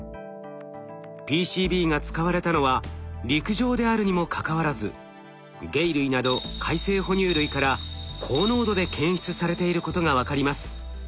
ＰＣＢが使われたのは陸上であるにもかかわらず鯨類など海棲哺乳類から高濃度で検出されていることが分かります。